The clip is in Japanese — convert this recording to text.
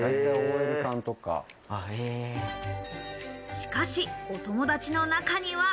しかし、お友達の中には。